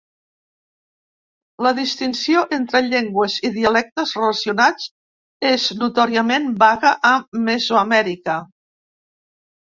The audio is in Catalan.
La distinció entre llengües i dialectes relacionats és notòriament vaga a Mesoamèrica.